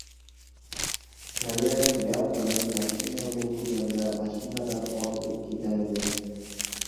— Kallayam gapmi, men mashina lo‘qiganda mashinadan otilib ketayin dedim.